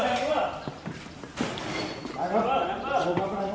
ตำรวจแห่งมือ